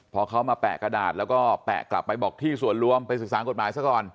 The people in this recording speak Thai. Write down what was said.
พอเขามาแปะกระดาษแล้วก็แปะกลับไปบอกที่ส่วนรวมไปศึกษากฎหมายซะก่อน